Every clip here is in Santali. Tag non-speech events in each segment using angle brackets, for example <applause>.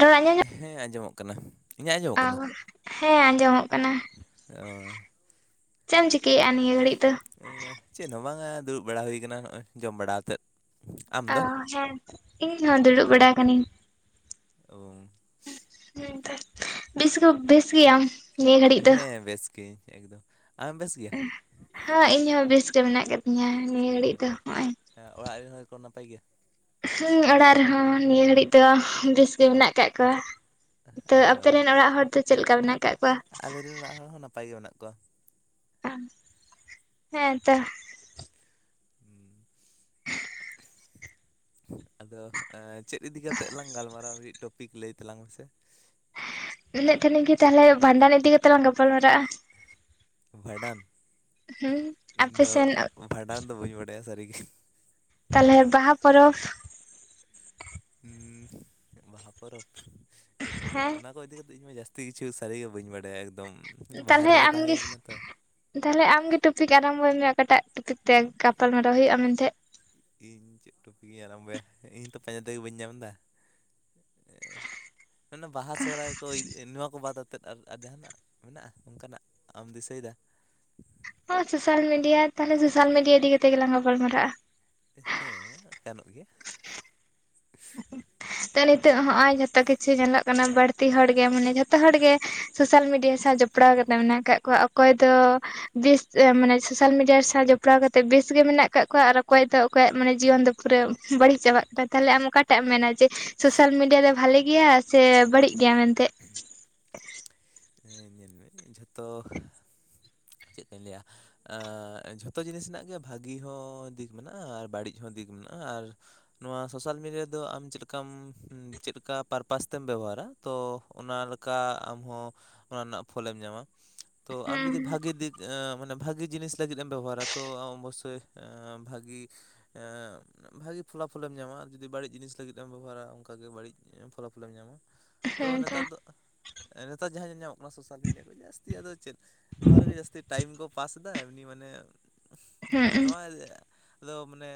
ᱨᱚᱲ ᱟᱸᱡᱚᱢ ᱧᱟᱢ ᱦᱮᱸ ᱟᱸᱡᱚᱢᱚᱜ ᱠᱟᱱᱟ ᱾ ᱚ ᱦᱮᱸ ᱟᱸᱡᱚᱢᱚᱜ ᱠᱟᱱᱟ ᱚ ᱾ ᱪᱮᱜ ᱮᱢ ᱪᱤᱠᱟᱹᱭᱮᱼᱟ ᱱᱤᱭᱟᱹ ᱜᱷᱟᱹᱲᱤᱡ ᱫᱚ? ᱮᱸ ᱪᱮᱫ ᱦᱚᱸ ᱵᱟᱝ-ᱟ ᱫᱩᱲᱩᱵ ᱵᱟᱲᱟ ᱦᱩᱭ ᱠᱟᱱᱟ ᱱᱚᱜᱼᱚᱭ ᱡᱚᱢ ᱵᱟᱲᱟ ᱟᱛᱮᱫ ᱾ ᱚ ᱦᱮᱸ ᱤᱧ ᱦᱚᱸ ᱫᱩᱲᱩᱵ ᱵᱟᱲᱟ ᱠᱟᱹᱱᱤᱧ ᱳᱻ ᱦᱩᱸ ᱛᱚ ᱵᱮᱥᱠᱩ ᱵᱮᱥ ᱜᱮᱭᱟᱢ? ᱱᱤᱭᱟᱹ ᱜᱷᱟᱹᱲᱤᱡ ᱫᱚ ᱦᱮᱸ ᱵᱮᱥ ᱜᱮᱭᱟᱹᱧ ᱮᱠᱫᱚᱢ ᱟᱢᱮᱢ ᱵᱮᱥ ᱜᱮᱭᱟ ᱦᱚᱸ ᱤᱧ ᱦᱚᱸ ᱵᱮᱥ ᱜᱮ ᱢᱮᱱᱟᱜ ᱠᱟᱫᱤᱧᱟ ᱱᱤᱭᱟᱹ ᱜᱷᱟᱹᱲᱤᱡ ᱫᱚ ᱦᱚᱸᱜᱼᱚᱭ ᱮᱸ ᱚᱲᱟᱜ ᱨᱮᱱ ᱦᱚᱲ ᱠᱚ ᱱᱟᱯᱟᱭ ᱜᱮᱭᱟ ᱦᱩᱸ ᱚᱲᱟᱜ ᱨᱮ ᱦᱚᱸ ᱱᱤᱭᱟᱹ ᱜᱷᱟᱹᱲᱤᱡ ᱫᱚ ᱵᱮᱥ ᱜᱮ ᱢᱮᱱᱟᱜ ᱠᱟᱜ ᱠᱚᱣᱟ ᱾ ᱛᱚ ᱟᱯᱮ ᱨᱮᱱ ᱚᱲᱟᱜ ᱦᱚᱲ ᱫᱚ ᱪᱮᱫ ᱞᱮᱠᱟ ᱢᱮᱱᱟᱜ ᱠᱟᱜ ᱠᱚᱣᱟ? ᱟᱞᱮᱨᱤᱱ ᱚᱲᱟᱜ ᱦᱚᱲ ᱦᱚᱸ ᱱᱟᱯᱟᱭ ᱜᱮ ᱢᱮᱱᱟᱜ ᱠᱚᱣᱟ ᱾ ᱚ ᱦᱮᱸ ᱛᱚ ᱾ ᱦᱩᱸᱢ ᱟᱫᱚ ᱮᱸ ᱪᱮᱫ ᱤᱫᱤ ᱠᱟᱛᱮᱜ ᱞᱟᱝ ᱜᱟᱞᱢᱟᱨᱟᱣ ᱢᱤᱫ ᱴᱚᱯᱤᱠ ᱞᱟᱹᱭ ᱛᱟᱞᱟᱝ ᱢᱮ ᱥᱮ? ᱞᱟᱹᱭᱮᱜ ᱛᱟᱦᱮᱞᱤᱧ ᱠᱤ ᱛᱟᱦᱞᱮ ᱵᱷᱟᱱᱰᱟᱱ ᱤᱫᱤ ᱠᱟᱛᱮ ᱞᱟᱝ ᱜᱟᱯᱟᱞᱢᱟᱨᱟᱜᱼᱟ ᱾ ᱵᱷᱟᱸᱰᱟᱱ ᱦᱩᱸ ᱤᱧ ᱫᱚ ᱟᱯᱮᱥᱮᱱ ᱵᱷᱟᱸᱰᱟᱱ ᱫᱚ ᱵᱟᱹᱧ ᱵᱟᱰᱟᱭᱟ ᱥᱟᱹᱨᱤ ᱜᱮ‌᱾ ᱛᱟᱞᱦᱮ ᱵᱟᱦᱟ ᱯᱚᱨᱚᱵᱽ, ᱩᱸ ᱵᱟᱦᱟ ᱯᱚᱨᱚᱵᱽ ᱮᱸ ᱦᱮᱸ ᱚᱱᱟ ᱠᱚ ᱤᱫᱤ ᱠᱟᱛᱮ ᱤᱧ ᱢᱟ ᱡᱟᱹᱥ ᱛᱤ ᱠᱤᱪᱷᱩ ᱥᱟᱹᱨᱤ ᱜᱮ ᱵᱟᱹᱧ ᱵᱟᱲᱟᱭᱟ ᱮᱠᱫᱚᱢ ᱵᱟᱦᱟᱨᱮ ᱨᱮ ᱛᱟᱦᱮᱸ ᱦᱩᱭ ᱠᱟᱱᱟ ᱛᱚ ᱾ ᱛᱟᱦᱞᱮ ᱟᱢ ᱜᱮ ᱴᱚᱯᱤᱠ ᱟᱨᱚᱢᱵᱚᱭ ᱢᱮ ᱚᱠᱟᱴᱟᱜ ᱴᱚᱯᱤᱠ ᱛᱮ ᱜᱟᱯᱟᱞ ᱢᱟᱨᱟᱣ ᱦᱩᱭᱩᱜᱼᱟ ᱢᱮᱱᱛᱮ ᱾ ᱤᱧ ᱪᱮᱫ ᱴᱚᱯᱤᱠ ᱤᱧ ᱟᱨᱚᱢᱵᱚᱭᱟ ᱤᱧ ᱛᱚ ᱯᱟᱸᱡᱟ ᱛᱮᱜᱮ ᱵᱟᱹᱧ ᱧᱟᱢ ᱫᱟ? ᱟᱱᱟ ᱵᱟᱦᱟ ᱥᱚᱦᱚᱨᱟᱭ ᱠᱚ ᱱᱚᱣᱟ ᱠᱚ ᱵᱟᱫ ᱟᱛᱮᱫ? ᱟᱨ ᱟᱨ ᱡᱟᱸᱦᱟᱱᱟᱜ ᱢᱮᱱᱟᱜᱼᱟ ᱚᱝᱠᱟᱱᱟᱜ ᱟᱢ ᱫᱤᱥᱟᱹᱭ ᱫᱟ᱾ ᱦᱚᱸ ᱥᱳᱥᱟᱞ ᱢᱤᱰᱤᱭᱟ ᱛᱟᱦᱞᱮ ᱥᱳᱥᱟᱞ ᱢᱤᱰᱤᱭᱟ ᱤᱫᱤ ᱠᱟᱛᱮ ᱜᱮ ᱞᱟᱝ ᱜᱟᱯᱟᱞᱢᱟᱨᱟᱜᱼᱟ ᱾ ᱦᱮᱸ ᱢᱟ ᱜᱟᱱᱚᱜ ᱜᱮᱭᱟ ᱾ <inaudible> ᱛᱚ ᱱᱤᱛᱚᱜ ᱦᱚᱸᱜᱼᱚᱭ ᱡᱷᱚᱛᱚ ᱠᱤᱪᱷᱩ ᱧᱮᱞᱚᱜ ᱠᱟᱱᱟ ᱵᱟᱹᱲᱛᱤ ᱦᱚᱲ ᱜᱮ ᱢᱟᱱᱮ ᱡᱷᱚᱛᱚ ᱦᱚᱲ ᱜᱮ ᱥᱳᱥᱟᱞ ᱢᱤᱰᱤᱭᱟ ᱡᱚᱯᱲᱟᱣ ᱠᱟᱛᱮ ᱢᱮᱱᱟᱜ ᱠᱟᱜ ᱠᱚᱣᱟ ᱚᱠᱚᱭ ᱫᱚ, ᱵᱮᱥ ᱢᱟᱱᱮ ᱥᱳᱥᱟᱞ ᱢᱤᱰᱤᱭᱟ ᱥᱟᱶ ᱡᱚᱯᱲᱟᱣ ᱠᱟᱛᱮᱜ ᱵᱮᱥ ᱜᱮ ᱢᱮᱱᱟᱜ ᱠᱟᱜ ᱠᱚᱣᱟ ᱟᱨ ᱚᱠᱚᱭ ᱫᱚ ᱚᱠᱚᱭᱟᱜ ᱢᱟᱱᱮ ᱡᱤᱭᱚᱱ ᱫᱚ ᱯᱩᱨᱟᱹ ᱵᱟᱹᱲᱤᱡ ᱪᱟᱵᱟᱜ ᱠᱟᱱᱟ ᱛᱟᱦᱞᱮ ᱟᱢ ᱚᱠᱟᱴᱟᱜ ᱮᱢ ᱢᱮᱱᱟ ᱡᱮ ᱥᱳᱥᱟᱞ ᱢᱤᱰᱤᱭᱟ ᱨᱮ ᱵᱷᱟᱞᱮ ᱜᱮᱭᱟ ᱥᱮ ᱵᱟᱹᱲᱤᱡ ᱜᱮᱭᱟ ᱢᱮᱱ ᱛᱮ ᱾ ᱦᱮᱸ ᱧᱮᱞ ᱢᱮ ᱡᱷᱚᱛᱚ ᱪᱮᱫ ᱠᱟᱹᱧ ᱞᱟᱹᱭᱟ? ᱟᱸᱻ ᱡᱷᱚᱛᱚ ᱡᱤᱱᱤᱥ ᱨᱮᱱᱟᱜ ᱜᱮ ᱵᱷᱟᱹᱜᱤ ᱦᱚᱸ ᱫᱤᱠ ᱢᱮᱱᱟᱜᱼᱟ ᱟᱨ ᱵᱟᱹᱲᱤᱡ ᱦᱚᱸ ᱫᱤᱠ ᱢᱮᱱᱟᱜᱼᱟ ᱟᱨ ᱱᱚᱣᱟ ᱥᱳᱥᱟᱞ ᱢᱤᱰᱤᱭᱟ ᱫᱚ ᱟᱢ ᱪᱮᱫᱠᱟᱢ ᱪᱮᱫᱠᱟ ᱯᱟᱨᱯᱟᱥ ᱛᱮᱢ ᱵᱮᱵᱚᱦᱟᱨᱟ, ᱛᱚ ᱚᱱᱟ ᱞᱮᱠᱟ ᱟᱢᱦᱚᱸ ᱚᱱᱟ ᱨᱮᱱᱟᱜ ᱯᱷᱚᱞᱮᱢ ᱧᱟᱢᱟ। ᱛᱚ ᱟᱢ ᱦᱩᱸ ᱡᱩᱫᱤ ᱵᱷᱟᱜᱮ ᱫᱤᱠ ᱡᱮ ᱢᱟᱱᱮ ᱵᱷᱟᱜᱮ ᱡᱤᱱᱤᱥ ᱞᱟᱹᱜᱤᱫ ᱮᱢ ᱵᱮᱵᱚᱦᱟᱨᱟ ᱛᱚ, ᱚᱵᱚᱥᱥᱳᱭ ᱮᱻ ᱵᱷᱟᱹᱜᱤ ᱮᱻ ᱵᱷᱟᱹᱜᱤ ᱯᱷᱚᱞᱟᱯᱷᱚᱞᱮᱢ ᱧᱟᱢᱟ। ᱟᱨ ᱡᱩᱫᱤ ᱵᱟᱹᱲᱤᱡ ᱡᱤᱱᱤᱥ ᱞᱟᱹᱜᱤᱫ ᱮᱢ ᱵᱮᱵᱚᱦᱟᱨᱟ, ᱚᱱᱠᱟᱜᱮ ᱵᱟᱹᱲᱤᱡ ᱮᱻ ᱯᱷᱚᱞᱟ ᱯᱷᱚᱞᱮᱢ ᱧᱟᱢᱟ। ᱛᱚ ᱦᱩᱸ ᱱᱮᱛᱟᱨ ᱫᱚ, ᱮ ᱱᱮᱛᱟᱨ ᱡᱟᱦᱟᱸ ᱧᱮᱞ ᱧᱟᱢᱚᱜ ᱠᱟᱱᱟ ᱥᱳᱥᱟᱞ ᱢᱤᱰᱤᱭᱟ ᱨᱮ ᱡᱟᱹᱥᱛᱤ, ᱟᱫᱚ ᱪᱮᱫ? ᱱᱚᱣᱟ ᱨᱮᱜᱮ ᱡᱟᱹᱥᱛᱤ ᱴᱟᱭᱤᱢ ᱠᱚ ᱯᱟᱥ ᱮᱫᱟ। ᱮᱢᱱᱤ ᱢᱟᱱᱮ ᱦᱩᱸ ᱱᱚᱣᱟ ᱟᱫᱚ ᱢᱟᱱᱮ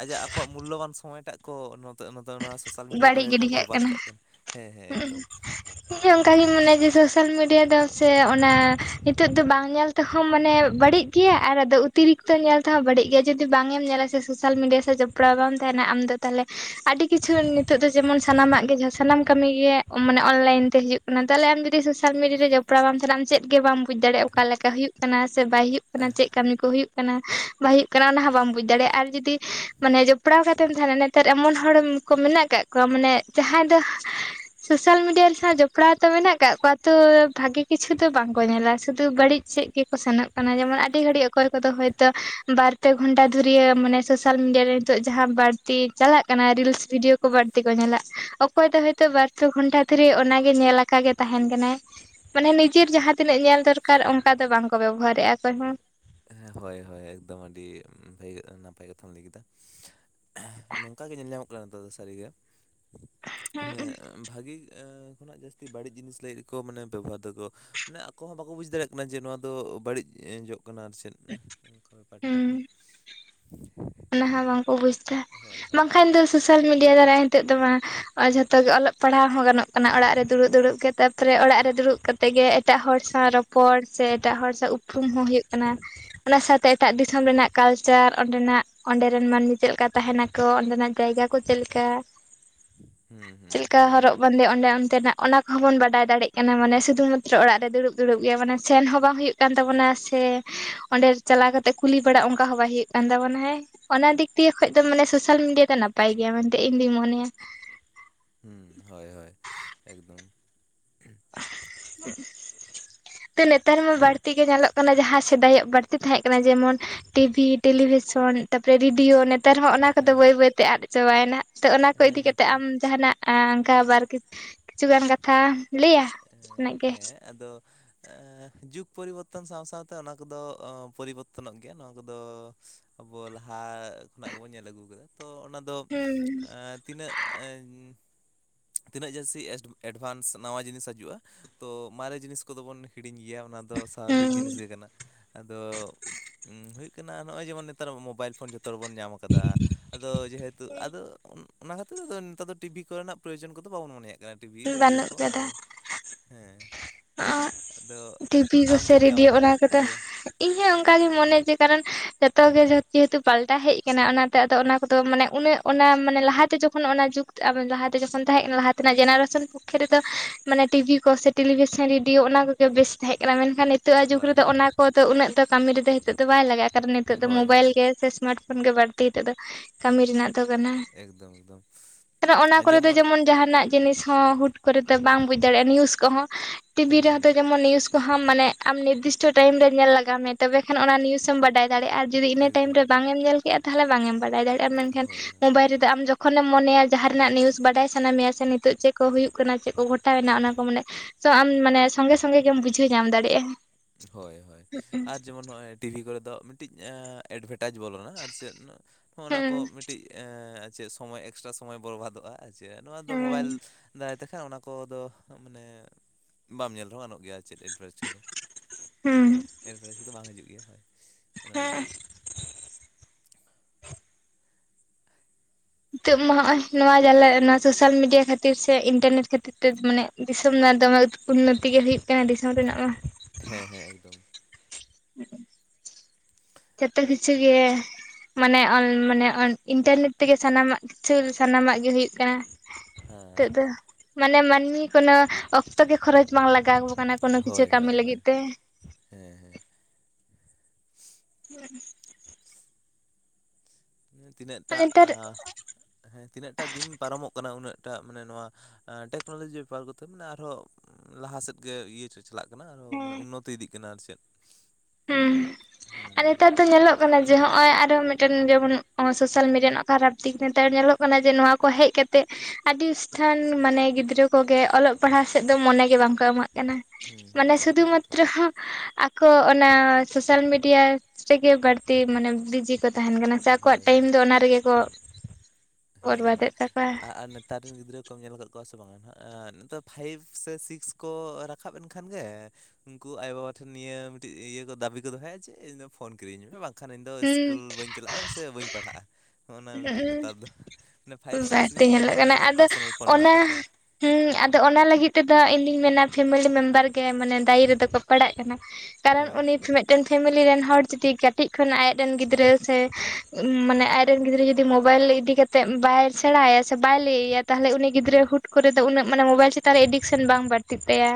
ᱟᱡᱟᱜ ᱟᱠᱚᱣᱟᱜ ᱢᱩᱞᱞᱚᱵᱟᱱ ᱥᱚᱢᱚᱭᱴᱟᱜ ᱠᱚ ᱱᱚ ᱛᱚᱜ ᱚᱱᱟ ᱫᱚ ᱚᱱᱟ ᱥᱳᱥᱟᱞ ᱢᱤᱰᱤᱭᱟ ᱠᱚᱨᱮ ᱜᱮ ᱠᱚ ᱵᱚᱨᱵᱟᱫ ᱠᱟᱜ ᱠᱟᱱᱟ। ᱦᱮᱸ ᱦᱮᱸ ᱮᱠᱫᱚᱢ। ᱤᱧ ᱦᱚᱸ ᱚᱱᱠᱟ ᱜᱤᱧ ᱢᱚᱱᱮᱭᱟ ᱡᱮ ᱥᱳᱥᱟᱞ ᱢᱤᱰᱤᱭᱟ ᱫᱚ ᱥᱮ ᱚᱱᱟ ᱱᱤᱛᱚᱜ ᱫᱚ ᱵᱟᱝ ᱧᱮᱞ ᱛᱮᱦᱚᱸ ᱢᱟᱱᱮ ᱵᱟᱹᱲᱤᱡ ᱜᱮᱭᱟ। ᱟᱨ ᱟᱫᱚ ᱚᱛᱤᱨᱤᱠᱛᱚ ᱧᱮᱞ ᱛᱮᱦᱚᱸ ᱵᱟᱹᱲᱤᱡ ᱜᱮᱭᱟ। ᱡᱩᱫᱤ ᱵᱟᱝᱮᱢ ᱧᱮᱞᱟ ᱥᱮ ᱥᱳᱥᱟᱞ ᱢᱤᱰᱤᱭᱟ ᱥᱮ ᱡᱚᱯᱲᱟᱣ ᱵᱟᱢ ᱛᱟᱦᱮᱱᱟ ᱟᱢ ᱫᱚ ᱛᱟᱦᱟᱞᱮ ᱟᱹᱰᱤ ᱠᱤ ᱪᱷᱩ ᱱᱤᱛᱚᱜ ᱫᱚ ᱡᱮᱢᱚᱱ, ᱥᱟᱱᱟᱢᱟᱜ ᱜᱮ ᱥᱟᱱᱟᱢ ᱠᱟᱹᱢᱤ ᱜᱮ ᱢᱟᱱᱮ ᱚᱱᱞᱟᱭᱤᱱ ᱛᱮ ᱦᱤᱡᱩᱜ ᱠᱟᱱᱟ। ᱛᱟᱦᱚᱞᱮ ᱟᱢ ᱡᱩᱫᱤ ᱥᱳᱥᱟᱞ ᱥᱳᱥᱟᱞ ᱢᱤᱰᱤᱭᱟ ᱨᱮ ᱡᱚᱯᱲᱟᱣ ᱵᱟᱢ ᱛᱟᱦᱮᱱᱟ᱾ ᱟᱢ ᱪᱮᱫ ᱜᱮ ᱵᱟᱢ ᱵᱩᱡᱽ ᱫᱟᱲᱮᱭᱟᱜᱼᱟ। ᱚᱠᱟ ᱞᱮᱠᱟ ᱦᱩᱭᱩᱜ ᱠᱟᱱᱟ ᱥᱮ ᱵᱟᱭ ᱦᱩᱭᱩᱜ ᱠᱟᱱᱟ। ᱪᱮᱫ ᱠᱟᱹᱢᱤ ᱠᱚ ᱦᱩᱭᱩᱜ ᱠᱟᱱᱟ। ᱵᱟᱭ ᱦᱩᱭᱩᱜ ᱠᱟᱱᱟ ᱚᱱᱟ ᱦᱚᱸ ᱵᱟᱢ ᱵᱩᱡᱽ ᱫᱟᱲᱮᱭᱟᱜᱼᱟ। ᱟᱨ ᱡᱩᱫᱤ ᱢᱟᱱᱮ ᱡᱚᱯᱲᱟᱣ ᱠᱟᱛᱮᱢ ᱛᱟᱦᱮᱱᱟ। ᱱᱮᱛᱟᱨ ᱮᱢᱚᱱ ᱦᱚᱲ ᱠᱚ ᱢᱮᱱᱟᱜ ᱠᱟᱜ ᱠᱚᱣᱟ। ᱢᱟᱱᱮ ᱡᱟᱦᱟᱸᱭ ᱫᱚ ᱥᱳᱥᱟᱞ ᱢᱤᱰᱤᱭᱟ ᱨᱮ ᱥᱟᱶ ᱡᱚᱯᱲᱟᱣ ᱛᱚ ᱢᱮᱱᱟᱜ ᱠᱟᱜ ᱠᱚᱣᱟ, ᱛᱚ ᱵᱷᱟᱜᱮ ᱠᱤᱪᱷᱩ ᱫᱚ ᱵᱟᱝᱠᱚ ᱧᱮᱞᱟ? ᱥᱩᱫᱩ ᱵᱟᱹᱲᱤᱡ ᱥᱮᱫ ᱜᱮᱠᱚ ᱥᱮᱱᱚᱜ ᱠᱟᱱᱟ। ᱡᱮᱢᱚᱱ ᱟᱹᱰᱤ ᱜᱷᱟᱹᱲᱤᱡ ᱚᱠᱚᱭ ᱠᱚᱫᱚ ᱦᱚᱳᱭᱛᱳ, ᱵᱟᱨ ᱯᱮ ᱜᱷᱚᱱᱴᱟ ᱫᱷᱩᱨᱭᱟᱹ ᱢᱟᱱᱮ ᱥᱳᱥᱟᱞ ᱢᱤᱰᱤᱭᱟ ᱨᱮ ᱱᱤᱛᱚᱜ ᱡᱟᱦᱟᱸ ᱵᱟᱹᱲᱛᱤ ᱪᱟᱞᱟᱜ ᱠᱟᱱᱟ। ᱨᱤᱞᱥ ᱵᱷᱤᱰᱭᱳ ᱠᱚ ᱵᱟᱹᱲᱛᱤ ᱠᱚ ᱧᱮᱞᱟ। ᱚᱠᱚᱭ ᱫᱚ ᱦᱚᱳᱭᱛᱳ ᱵᱟᱨᱯᱮ ᱜᱷᱚᱱᱴᱟ ᱫᱷᱚᱨᱮ ᱚᱱᱟ ᱜᱮ ᱧᱮᱞ ᱟᱠᱟ ᱜᱮ ᱛᱟᱦᱮᱱ ᱠᱟᱱᱟᱭ। ᱢᱟᱱᱮ ᱱᱤᱡᱮᱨ ᱡᱟᱦᱟᱸᱛᱤᱱᱟᱹᱜ ᱧᱮᱞ ᱫᱚᱨᱠᱟᱨ, ᱚᱱᱠᱟ ᱫᱚ ᱵᱟᱝᱠᱚ ᱵᱮᱵᱚᱦᱟᱨᱮᱫᱼᱟ ᱚᱠᱚᱭ ᱦᱚᱸ। ᱦᱮᱸ ᱦᱳᱭ ᱦᱳᱭ ᱮᱠᱫᱚᱢ ᱟᱹᱰᱤ ᱵᱷᱟᱜᱮ, ᱱᱟᱯᱟᱭ ᱠᱟᱛᱷᱟᱢ ᱞᱟᱹᱭ ᱠᱮᱫᱟ। ᱱᱚᱝᱠᱟ ᱜᱮ ᱧᱮᱞ ᱧᱟᱢᱚᱜ ᱠᱟᱱᱟ ᱱᱮᱛᱟᱨ ᱫᱚ ᱥᱟᱹᱨᱤ ᱜᱮ, <inaudible> ᱵᱷᱟᱜᱮ ᱮ ᱠᱷᱚᱱᱟᱜ ᱡᱟᱹᱥᱛᱤ ᱵᱟᱹᱲᱤᱡ ᱡᱤᱱᱤᱥ ᱞᱟᱹᱜᱤᱫ ᱜᱮᱠᱚ ᱢᱟᱱᱮ ᱵᱮᱵᱚᱦᱟᱨ ᱫᱟᱠᱚ᱾ ᱢᱟᱱᱮ ᱟᱠᱚ ᱦᱚᱸ ᱵᱟᱠᱚ ᱵᱩᱡᱽ ᱫᱟᱲᱮᱭᱟᱜ ᱠᱟᱱᱟ ᱡᱮ ᱱᱚᱣᱟ ᱫᱚ ᱵᱟᱹᱲᱤᱡ ᱡᱚᱜ ᱠᱟᱱᱟ ᱟᱨ ᱪᱮᱫ, ᱚᱝᱠᱟ ᱵᱮᱯᱟᱨ ᱦᱩᱸ ᱴᱟᱡ ᱫᱚ᱾ ᱚᱱᱟ ᱦᱚᱸ ᱵᱟᱝᱠᱚ ᱵᱩᱡᱽ ᱫᱟ᱾ ᱦᱳᱭ ᱦᱳᱭ ᱵᱟᱝᱠᱷᱟᱱ ᱫᱚ ᱥᱳᱥᱟᱞ ᱢᱤᱰᱤᱭᱟ ᱫᱟᱨᱟᱭ ᱦᱤᱛᱚᱜ ᱛᱚᱢᱟ ᱡᱷᱚᱛᱚ ᱜᱮ ᱚᱞᱚᱜ ᱯᱟᱲᱦᱟᱣ ᱦᱚᱸ ᱜᱟᱱᱚᱜ ᱠᱟᱱᱟ ᱚᱲᱟᱜ ᱨᱮ ᱫᱩᱲᱩᱵ ᱫᱩᱲᱩᱵ ᱠᱟ ᱛᱟᱨᱯᱚᱨᱮ ᱚᱲᱟᱜ ᱨᱮ ᱫᱩᱲᱩᱵ ᱠᱟᱛᱮᱜ ᱜᱮ ᱮᱴᱟᱜ ᱦᱚᱲ ᱥᱟᱶ ᱨᱚᱯᱚᱲ, ᱥᱮ ᱮᱴᱟᱜ ᱦᱚᱲ ᱥᱟᱶ ᱩᱯᱨᱩᱢ ᱦᱚᱸ ᱦᱩᱭᱩᱜ ᱠᱟᱱᱟ᱾ ᱚᱱᱟ ᱥᱟᱶᱛᱮ ᱮᱴᱟᱜ ᱫᱤᱥᱚᱢ ᱨᱮᱱᱟᱜ ᱠᱟᱞᱪᱟᱨ ᱚᱸᱰᱮᱱᱟᱜ ᱚᱸᱰᱮ ᱨᱮᱱ ᱢᱟᱹᱱᱢᱤ ᱪᱮᱫ ᱞᱮᱠᱟ ᱛᱟᱦᱮᱸᱱᱟᱠᱚ, ᱚᱸᱰᱮᱱᱟᱜ ᱡᱟᱭᱜᱟ ᱠᱚ ᱪᱮᱫ ᱞᱮᱠᱟ, ᱦᱩᱸ ᱦᱩᱸ ᱪᱮᱫ ᱞᱮᱠᱟ ᱦᱳᱭ ᱦᱚᱨᱚᱜ ᱵᱟᱸᱫᱮ ᱚᱸᱰᱮ ᱚᱱᱛᱮᱱᱟᱜ, ᱚᱱᱟ ᱠᱚᱦᱚᱸ ᱵᱚᱱ ᱵᱟᱰᱟᱭ ᱫᱟᱲᱮᱜ ᱠᱟᱱᱟ ᱢᱟᱱᱮ ᱥᱩᱫᱷᱩ ᱢᱟᱛᱨᱚ ᱚᱲᱟᱜ ᱨᱮ ᱫᱩᱲᱩᱵ ᱫᱩᱲᱩᱵ ᱜᱮ ᱢᱟᱱᱮ ᱥᱮᱱ ᱦᱚᱸ ᱵᱟᱝ ᱦᱩᱭᱩᱜ ᱠᱟᱱ ᱛᱟᱵᱚᱱᱟ ᱥᱮ ᱚᱸᱰᱮ ᱪᱟᱞᱟᱣ ᱠᱟᱛᱮᱜ ᱠᱩᱞᱤ ᱵᱟᱲᱟ ᱚᱝᱠᱟ ᱦᱚᱸ ᱵᱟᱭ ᱦᱩᱭᱩᱜ ᱠᱟᱱ ᱛᱟᱵᱚᱱᱟ ᱦᱮᱸ᱾ ᱚᱱᱟ ᱫᱤᱠ ᱫᱤᱭᱮ ᱠᱷᱚᱡ ᱫᱚ ᱢᱟᱱᱮ ᱥᱳᱥᱟᱞ ᱢᱤᱰᱤᱭᱟ ᱫᱚ ᱱᱟᱯᱟᱭ ᱜᱮᱭᱟ ᱢᱮᱱᱛᱮ ᱤᱧ ᱫᱩᱧ ᱢᱚᱱᱮᱭᱟ᱾ ᱦᱩᱸ ᱦᱳᱭ ᱦᱳᱭ, ᱮᱠᱫᱚᱢ᱾ ᱛᱚ ᱱᱮᱛᱟᱨ ᱢᱟ ᱵᱟᱹᱲᱛᱤ ᱜᱮ ᱧᱮᱞᱚᱜ ᱠᱟᱱᱟ ᱡᱟᱦᱟᱸ ᱥᱮᱫᱟᱭᱟᱜ ᱵᱟᱹᱲᱛᱤ ᱛᱟᱦᱮᱸᱜ ᱠᱟᱱᱟ ᱡᱮᱢᱚᱱ ᱴᱤ. ᱵᱷᱤ., ᱴᱮᱞᱤᱵᱷᱤᱥᱚᱱ, ᱛᱟᱯᱚᱨᱮ ᱨᱮᱰᱤᱭᱳ, ᱱᱮ ᱛᱮ ᱨᱮᱦᱚᱸ ᱚᱱᱟ ᱠᱚᱫᱚ ᱦᱮᱸ ᱵᱟᱹᱭ ᱵᱟᱹᱭᱛᱮ ᱟᱫ ᱪᱟᱵᱟᱭᱮᱱᱟ᱾ ᱛᱚ ᱚᱱᱟ ᱠᱚ ᱦᱮᱸ ᱤᱫᱤ ᱠᱟᱛᱮ ᱟᱢ ᱱᱤᱛᱚᱜ ᱡᱟᱦᱟᱸᱱᱟᱜ ᱟᱸ ᱚᱝᱠᱟ ᱵᱟᱨ ᱠᱤ ᱠᱤᱪᱷᱩ ᱜᱟᱱ ᱠᱟᱛᱷᱟ ᱞᱟᱹᱭᱟ ᱮ ᱚᱱᱟᱜᱮ ᱦᱮᱸ ᱟᱫᱚ ᱮᱸᱻ ᱡᱩᱜᱽ ᱯᱚᱨᱤᱵᱚᱨᱛᱚᱱ ᱥᱟᱶ ᱥᱟᱶᱛᱮ ᱚᱱᱟ ᱠᱚᱫᱚ ᱯᱚᱨᱤᱵᱚᱨᱛᱚᱱᱚᱜ ᱜᱮᱭᱟ ᱱᱚᱣᱟ ᱠᱚᱫᱚ ᱟᱵᱚ ᱞᱟᱦᱟᱻ ᱠᱷᱚᱱᱟᱜ ᱜᱮ ᱵᱚᱱ ᱧᱮᱞ ᱟᱹᱜᱩ ᱟᱠᱟᱫᱟ, ᱛᱚ ᱚᱱᱟ ᱫᱚ ᱦᱩᱸ ᱮᱸ ᱛᱤᱱᱟᱹᱜ <unintelligible> ᱛᱤᱱᱟᱹᱜ ᱡᱟᱹᱥᱛᱤ ᱮᱰ ᱮᱰᱵᱷᱟᱱᱥ ᱱᱟᱣᱟ ᱡᱤᱱᱤᱥ ᱦᱟ ᱦᱤᱡᱩᱜᱼᱟ, ᱛᱚ ᱢᱟᱨᱮ ᱡᱤᱱᱤᱥ ᱠᱚᱫᱚ ᱵᱚᱱ ᱦᱤᱲᱤᱧ ᱜᱮᱭᱟ ᱚᱱᱟ ᱫᱚ ᱥᱟᱵᱷᱟᱵᱤᱠ ᱦᱩᱸ ᱡᱤᱱᱤᱥ ᱜᱮ ᱠᱟᱱᱟ᱾ ᱟᱫᱚ ᱦᱩᱭᱩᱜ ᱠᱟᱱᱟ ᱱᱚᱜᱼᱚᱭ ᱡᱮᱢᱚᱱ ᱱᱮᱛᱟᱨ ᱢᱳᱵᱟᱭᱤᱞ ᱯᱷᱳᱱ ᱡᱚᱛᱚ ᱦᱚᱲ ᱵᱚᱱ ᱧᱟᱢ ᱠᱟᱫᱟ, ᱟᱫᱚ ᱡᱮᱦᱮᱛᱩ ᱦᱮᱸ ᱟᱫᱚ ᱚᱱᱟ ᱠᱷᱟᱹᱛᱤᱨ ᱟᱫᱚ ᱱᱮᱛᱟᱨ ᱫᱚ ᱴᱤ. ᱵᱷᱤ. ᱠᱚ ᱨᱮᱱᱟᱜ ᱯᱨᱚᱭᱭᱳᱡᱚᱱ ᱠᱚᱫᱚ ᱵᱟᱵᱚᱱ ᱢᱚᱱᱮᱭᱟᱜ ᱡᱟᱦᱟᱸ ᱴᱤ. ᱵᱷᱤ., ᱨᱮᱰᱤᱭᱳ ᱵᱟᱹᱱᱩᱜ ᱠᱚ ᱠᱟᱫᱟ ᱟᱫᱚ ᱦᱮᱸ᱾ ᱟᱫᱚ ᱴᱤᱵᱷᱤ ᱟᱢ ᱠᱚᱥᱮ ᱪᱮᱫ ᱞᱮᱠᱟᱢ ᱨᱮᱰᱤᱭᱳ ᱚᱱᱟ ᱠᱚᱫᱚ ᱞᱟᱹᱭᱟ? ᱤᱧ ᱦᱚᱸ ᱚᱝᱠᱟᱜᱮᱧ ᱢᱚᱱᱮᱭᱟ ᱡᱮ ᱠᱟᱨᱚᱱ ᱡᱚᱛᱚ ᱜᱮ ᱡᱮᱦᱮᱛᱩ ᱯᱟᱞᱴᱟᱣ ᱦᱮᱡ ᱠᱟᱱᱟ ᱚᱱᱟᱛᱮ ᱟᱫᱚ ᱚᱱᱟ ᱠᱚᱫᱚ ᱢᱟᱱᱮ ᱩᱱᱟᱹᱜ ᱚᱱᱟ ᱢᱟᱱᱮ ᱞᱟᱦᱟᱛᱮ ᱡᱚᱠᱷᱚᱱ ᱚᱱᱟ ᱡᱩᱜᱽ ᱟᱵᱮᱱ ᱞᱟᱦᱟᱛᱮ ᱡᱚᱠᱷᱚᱱ ᱛᱟᱦᱮᱸᱜ ᱠᱟᱱᱟ ᱞᱟᱦᱟ ᱛᱮᱱᱟᱜ ᱡᱮᱱᱟᱨᱮᱥᱚᱱ ᱠᱩ ᱠᱷᱤ ᱨᱮᱫᱚ ᱢᱟᱱᱮ ᱴᱤ. ᱵᱷᱤ. ᱠᱚ ᱥᱮ ᱴᱮᱞᱤᱵᱮ ᱦᱮᱸ ᱨᱤᱰᱤᱭᱳ ᱚᱱᱟ ᱠᱚᱜᱮ ᱵᱮᱥ ᱛᱟᱦᱮᱸᱜ ᱠᱟᱱᱟ ᱢᱮᱱᱠᱷᱟᱱ ᱱᱤᱛᱚᱜ -ᱟᱜ ᱡᱩᱜᱽ ᱦᱳᱭ ᱨᱮᱫᱚ ᱦᱳᱭ ᱚᱱᱟ ᱠᱚᱫᱚ ᱩᱱᱟᱹᱜ ᱫᱚ ᱠᱟᱹᱢᱤ ᱨᱮᱫᱚ ᱦᱤᱛᱚᱜ ᱫᱚ ᱵᱟᱭ ᱞᱟᱜᱟᱜ-ᱟ ᱠᱟᱨᱚᱱ ᱱᱤᱛᱚᱜ ᱫᱚ ᱦᱳᱭ ᱢᱳᱵᱟᱭᱤᱞ ᱦᱳᱭ ᱜᱮ ᱥᱮ ᱥᱢᱟᱨᱴ ᱯᱷᱳᱱ ᱜᱮ ᱵᱟᱹᱲᱛᱤ ᱦᱤᱛᱚᱜ ᱫᱚ, ᱠᱟᱹᱢᱤ ᱨᱮᱱᱟᱜ ᱛᱚ ᱠᱟᱱᱟ᱾ ᱮᱠᱫᱚᱢ ᱮᱠᱫᱚᱢ <unintelligible> ᱚᱱᱟ ᱠᱚᱨᱮ ᱫᱚ ᱡᱮᱢᱚᱱ ᱡᱟᱦᱟᱸᱱᱟᱜ ᱡᱤᱱᱤᱥ ᱦᱚᱸ ᱦᱩᱴ ᱠᱚᱨᱮ ᱫᱚ ᱵᱟᱝ ᱵᱩᱡᱽ ᱫᱟᱲᱮᱭᱟᱜ-ᱟ ᱱᱤᱭᱩᱡ ᱠᱚᱦᱚᱸ, ᱴᱤ. ᱵᱷᱤ. ᱦᱩᱸ ᱨᱮᱦᱚᱸ ᱦᱩᱸ ᱛᱚ ᱡᱮᱢᱚᱱ ᱱᱤᱭᱩᱥ ᱛᱚ ᱦᱟᱢ ᱢᱟᱱᱮ ᱟᱢ ᱱᱤᱨᱫᱤᱥᱴᱚ ᱴᱟᱭᱤᱢ ᱨᱮ ᱧᱮᱞ ᱞᱟᱜᱟᱣ ᱢᱮᱭᱟ, ᱛᱚᱵᱮ ᱠᱷᱟᱱ ᱚᱱᱟ ᱱᱤᱭᱩᱥ ᱮᱢ ᱵᱟᱰᱟᱭ ᱫᱟᱲᱮᱭᱟᱜ-ᱟ᱾ ᱡᱩᱫᱤ ᱤᱱᱟᱹ ᱴᱟᱭᱤᱢ ᱮᱠᱫᱚᱢ ᱨᱮ ᱮᱠᱫᱚᱢ ᱵᱟᱝ ᱮᱢ ᱧᱮᱞ ᱠᱮᱜ-ᱟ ᱛᱟᱦᱚᱞᱮ ᱵᱟᱝᱮᱢ ᱵᱟᱰᱟᱭ ᱫᱟᱲᱮᱭᱟᱜ-ᱟ᱾ ᱢᱮᱱᱠᱷᱟᱱ ᱦᱳᱭ ᱦᱳᱭ ᱢᱳᱵᱟᱭᱤᱞ ᱨᱮᱫᱚ ᱟᱢ ᱡᱚ ᱠᱷᱚᱱᱮᱢ ᱢᱚᱱᱮᱭᱟ ᱡᱟᱦᱟᱸ ᱨᱮᱱᱟᱜ ᱱᱤᱭᱩᱥ ᱵᱟᱰᱟᱭ ᱥᱟᱱᱟ ᱢᱮᱭᱟ ᱥᱮ ᱱᱤᱛᱚᱜ ᱪᱮᱫ ᱠᱚ ᱦᱩᱭᱩᱜ ᱠᱟᱱᱟ ᱪᱮᱫ ᱠᱚ ᱜᱷᱚᱴᱟᱣᱮᱱᱟ ᱚᱱᱟ ᱠᱚ ᱢᱟᱱᱮ <unintelligible> ᱟᱢ ᱢᱟᱱᱮ ᱥᱚᱸᱜᱮ ᱥᱚᱸᱜᱮ ᱜᱮᱢ ᱵᱩᱡᱷᱟᱹᱣ ᱧᱟᱢ ᱫᱟᱲᱮᱭᱟᱜ-ᱟ᱾ ᱦᱳᱭ ᱦᱳᱭ ᱟᱨ ᱡᱮᱢᱚᱱ ᱱᱚᱜ-ᱚᱭ ᱴᱤ. ᱵᱷᱤ. ᱠᱚᱨᱮ ᱫᱚ ᱢᱤᱫᱴᱤᱡ ᱮᱸᱻ ᱮᱰ ᱵᱷᱮᱴᱟᱡᱽ ᱵᱚᱞᱚᱱᱟ ᱟᱨ ᱪᱮᱫ, ᱚᱱᱟ ᱠᱚ ᱦᱩᱸ ᱠᱟᱹᱴᱤᱡ ᱮᱸ ᱪᱮᱫ ᱥᱚᱢᱚᱭ ᱮᱠᱥᱴᱨᱟ ᱥᱚᱢᱚᱭ ᱵᱚᱨᱵᱟᱫᱚᱜ-ᱟ ᱦᱮᱪᱮ ᱱᱚᱣᱟ ᱫᱚ ᱢᱳᱵᱟᱭᱤᱞ ᱫᱟᱭ ᱛᱮᱠᱷᱟᱱ ᱚᱱᱟ ᱠᱚ ᱫᱚ ᱢᱟᱱᱮ, ᱵᱟᱢ ᱧᱮᱞ ᱨᱮᱦᱚᱸ ᱜᱟᱱᱚᱜ ᱜᱮᱭᱟ ᱪᱮᱫ <unintelligible> ᱠᱚᱫᱚ᱾ ᱦᱩᱸ᱾ ᱮᱰ ᱵᱷᱮᱴᱟᱡ ᱠᱚᱫᱚ ᱵᱟᱝ ᱦᱟᱹᱡᱩᱜ ᱜᱮᱭᱟ ᱦᱳᱭ, ᱚᱱᱮ ᱚᱱᱟ ᱦᱮᱸ ᱜᱮ᱾ ᱱᱤᱛᱚᱜ ᱢᱟ ᱦᱚᱸᱜ-ᱚᱭ ᱱᱚᱣᱟ ᱡᱟᱞᱟ ᱱᱚᱣᱟ ᱥᱳᱥᱟᱞ ᱢᱤᱰᱤᱭᱟ ᱠᱷᱟᱹ ᱛᱤᱨ ᱥᱮ ᱤᱱᱴᱟᱨᱱᱮᱴ ᱠᱷᱟᱹᱛᱤᱨ ᱛᱮ ᱢᱟᱱᱮ ᱫᱤᱥᱚᱢ ᱨᱮᱱᱟᱜ ᱫᱚᱢᱮ ᱩᱱᱱᱚᱛᱤ ᱜᱮ ᱦᱩᱭᱩᱜ ᱠᱟᱱᱟ ᱫᱤᱥᱚᱢ ᱨᱮᱱᱟᱜ ᱢᱟ ᱦᱮᱸ ᱦᱮᱸ ᱮᱠᱫᱚᱢ᱾ ᱡᱷᱚᱛᱚ ᱠᱤᱪᱷᱩ ᱜᱮ᱾ ᱢᱟᱱᱮ ᱚᱱ ᱢᱟᱱᱮ ᱚᱱ ᱤᱱᱴᱟᱨᱱᱮᱴ ᱛᱮᱜᱮ ᱥᱟᱱᱟᱢᱟᱜ ᱠᱤᱪᱷᱩ ᱥᱟᱱᱟᱢᱟᱜ ᱜᱮ ᱦᱩᱭᱩᱜ ᱠᱟᱱᱟ᱾ ᱱᱤᱛᱳᱜ ᱦᱮᱸ ᱫᱚ ᱢᱟᱱᱮ ᱢᱟᱹᱱᱢᱤ ᱠᱳᱱᱳ ᱚᱠᱛᱚ ᱜᱮ ᱠᱷᱚᱨᱚᱪ ᱵᱟᱝ ᱞᱟᱜᱟᱣ ᱢᱟᱱᱮ ᱠᱳᱱᱳ ᱠᱤᱪᱷᱩ ᱦᱳᱭ ᱠᱟᱹᱢᱤ ᱦᱳᱭ ᱦᱳᱭ ᱞᱟᱹᱜᱤᱫ ᱛᱮ ᱦᱮᱸ ᱦᱮᱸ᱾ ᱦᱮᱸ᱾ ᱦᱮᱸ ᱛᱤᱱᱟᱹᱜ ᱢᱟᱱᱮ ᱴᱟᱜ ᱱᱮᱛᱟᱨ ᱟ ᱦᱮᱸ ᱛᱤᱱᱟᱹᱜ ᱴᱟᱜ ᱫᱤᱱ ᱯᱟᱨᱚᱢᱚᱜ ᱠᱟᱱᱟ ᱩᱱᱟᱹᱜ ᱴᱟᱜ ᱢᱟᱱᱮ ᱱᱚᱣᱟ ᱮ ᱴᱮᱠᱱᱳᱞᱚᱡᱤ ᱵᱮᱯᱟᱨ ᱠᱚᱛᱚ ᱢᱮᱱᱟᱜ-ᱟ ᱟᱨᱦᱚᱸ ᱟ ᱞᱟᱦᱟ ᱥᱮᱫ ᱜᱮ ᱤᱭᱟᱹ ᱪᱟᱪᱟᱞᱟᱜ ᱠᱟᱱᱟ ᱟᱨᱦᱚᱸ ᱢᱟᱱᱮ ᱩᱱᱱᱚᱛᱤ ᱤᱫᱤ ᱠᱟᱱᱟ ᱟᱨ ᱪᱮᱫ? ᱦᱮᱸ ᱦᱩᱸ ᱟᱨ ᱱᱮᱛᱟᱨ ᱫᱚ ᱧᱮᱞᱚᱜ ᱠᱟᱱᱟ ᱡᱮ ᱱᱚᱜ-ᱚᱭ ᱟᱨᱦᱚᱸ ᱢᱤᱫᱴᱮᱱ ᱡᱮᱢᱚᱱ ᱥᱳᱥᱟᱞ ᱢᱤᱰᱤᱭᱟ ᱨᱮᱱᱟᱜ ᱠᱷᱟᱨᱟᱯ ᱫᱤᱠ ᱱᱮᱛᱟᱨ ᱧᱮᱞᱚᱜ ᱠᱟᱱᱟ ᱡᱮ ᱱᱚᱣᱟ ᱠᱚ ᱦᱮᱡ ᱠᱟᱛᱮ ᱟᱹᱰᱤ ᱤᱥᱛᱷᱟᱱ ᱢᱟᱱᱮ ᱜᱤᱫᱽᱨᱟᱹ ᱠᱚᱜᱮ ᱚᱞᱚᱜ ᱯᱟᱲᱦᱟᱜ ᱥᱮᱫ ᱫᱚ ᱢᱚᱱᱮ ᱜᱮ ᱵᱟᱝ ᱠᱚ ᱮᱢᱟᱜ ᱠᱟᱱᱟ ᱦᱩᱸ ᱦᱩᱸ ᱢᱟᱱᱮ ᱥᱩᱫᱷᱩ ᱮᱠᱫᱚᱢ ᱮᱠᱫᱚᱢ ᱢᱟᱛᱨᱚ ᱟᱠᱚ ᱥᱳᱥᱟᱞ ᱢᱤᱰᱤᱭᱟ ᱨᱮᱜᱮ ᱵᱟᱹᱲᱛᱤ ᱢᱟᱱᱮ ᱵᱷᱤᱡᱤᱴ ᱠᱚ ᱛᱟᱦᱮᱱ ᱠᱟᱱᱟ ᱥᱮ ᱟᱠᱚᱣᱟᱜ ᱦᱳᱭ ᱴᱟᱭᱤᱢ ᱦᱳᱭ ᱫᱚ ᱚᱱᱟ ᱨᱮᱜᱮ ᱠᱚ ᱦᱮᱸ ᱦᱮᱸ ᱵᱚᱨᱵᱟᱫᱮᱫ ᱛᱟᱠᱚᱣᱟ ᱟᱨ ᱱᱮᱛᱟᱨ ᱱᱮᱛᱟᱨ ᱨᱮᱱ ᱜᱤᱫᱽᱨᱟᱹ ᱠᱚᱢ ᱧᱮᱞ ᱟᱠᱟᱫ ᱠᱚᱣᱟ ᱥᱮ ᱵᱟᱝᱟ ᱱᱟᱦᱟᱜ ᱱᱤᱛᱚᱜ ᱯᱷᱟᱭᱤᱵ ᱥᱮ ᱥᱤᱠᱥ ᱠᱚ ᱨᱟᱠᱟᱵ ᱮᱱ ᱠᱷᱟᱱ ᱜᱮ ᱩᱱᱠᱩ ᱟᱭᱳ ᱵᱟᱵᱟ ᱴᱷᱮᱱ ᱱᱤᱭᱟᱹ ᱢᱤᱫᱴᱤᱡ ᱤᱭᱟᱹ ᱠᱚ ᱫᱟᱹᱵᱤ ᱠᱚ ᱫᱚᱦᱚᱭᱟ ᱡᱮ ᱤᱧ ᱯᱷᱳᱱ ᱠᱤᱨᱤᱧ ᱢᱮ ᱦᱮ ᱵᱟᱝ ᱠᱷᱟᱱ ᱤᱧᱫᱚ ᱦᱩᱸ ᱤᱥᱠᱩᱞ ᱵᱟᱹᱧ ᱪᱟᱞᱟᱜ-ᱟ ᱥᱮ ᱵᱟᱹᱧ ᱯᱟᱲᱦᱟᱜ-ᱟ ᱦᱚᱜ-ᱱᱟ ᱢᱤᱫᱴᱤᱡ ᱱᱮᱛᱟᱨ ᱫᱚ ᱢᱟᱱᱮ ᱯᱷᱟᱭᱤᱵ ᱚᱱᱠᱟ ᱥᱤᱠᱥ ᱨᱮᱱ ᱜᱮᱛᱚ ᱜᱤᱫᱽᱨᱟᱹ ᱧᱮᱞᱚᱜ ᱠᱚᱦᱚᱸ ᱠᱟᱱᱟ ᱧᱮᱞ ᱢᱮ ᱟᱫᱚ ᱯᱟᱨᱥᱚᱱᱟᱞ ᱯᱷᱳᱱ ᱢᱮᱱᱟᱜ ᱚᱱᱟ ᱛᱟᱠᱚᱣᱟ ᱦᱮᱸ ᱟᱫᱚ ᱚᱱᱟ ᱞᱟᱹᱜᱤᱫ ᱛᱮᱫᱚ ᱤᱧᱫᱩᱧ ᱢᱮᱱᱟ ᱯᱷᱮᱢᱮᱞᱤ ᱢᱮᱢᱵᱟᱨ ᱜᱮ ᱢᱟᱱᱮ ᱫᱟᱹᱭᱤ ᱨᱮᱫᱚ ᱠᱚ ᱯᱟᱲᱟᱜ ᱠᱟᱱᱟ ᱠᱟᱨᱚᱱ ᱦᱳᱭ ᱩᱱᱤ ᱯᱷᱤᱢᱮᱞ ᱢᱤᱫᱴᱮᱱ ᱯᱷᱮᱢᱮᱞᱤ ᱨᱮᱱ ᱦᱚᱲ ᱡᱩᱫᱤ ᱠᱟᱹᱴᱤᱡ ᱠᱷᱚᱱ ᱟᱡ ᱨᱮᱱ ᱜᱤᱫᱽᱨᱟᱹ ᱥᱮ ᱢᱟᱱᱮ ᱟᱡ ᱟᱡ ᱨᱮᱱ ᱜᱤᱫᱽᱨᱟᱹ ᱡᱩᱫᱤ ᱢᱳᱵᱟᱭᱤᱞ ᱤᱫᱤ ᱠᱟᱛᱮᱫ ᱵᱟᱭ ᱥᱮᱬᱟᱭᱟ ᱥᱮ ᱵᱟᱭ ᱞᱟᱹᱭ ᱟᱭᱟ ᱛᱟᱦᱚᱞᱮ ᱩᱱᱤ ᱜᱤᱫᱽᱨᱟᱹ ᱦᱩᱸ ᱦᱩᱴ ᱠᱚᱨᱮ ᱠᱚᱨᱮ ᱫᱚ ᱩᱱᱟᱹᱜ ᱢᱟᱱᱮ ᱢᱳᱵᱟᱭᱤᱞ ᱪᱮᱛᱟᱱ ᱨᱮ ᱮᱰᱤᱠᱥᱮᱱ ᱵᱟᱝ ᱵᱟᱹᱲᱛᱤᱜ ᱛᱟᱭᱟ